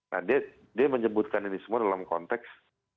nah dia menyebutkan ini semua dalam konteks